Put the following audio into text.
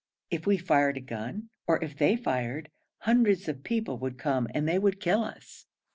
If we fired a gun, or if they fired, hundreds of people would come, and they would kill us.'